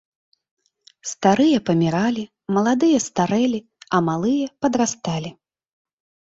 Старыя паміралі, маладыя старэлі, а малыя падрасталі.